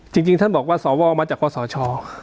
จริงท่านบอกว่าสวมาจากคอสช